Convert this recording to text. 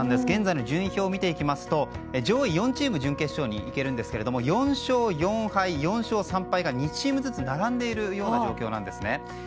現在の順位表を見ますと上位４チームが準決勝にいけるんですけれども４勝４敗、４勝３敗が２チームずつ並んでいる状況です。